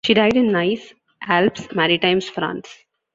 She died in Nice, Alpes-Maritimes, France.